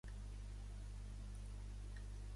Deixa-ho així: si ho tocaves, encara ho enlletgiries.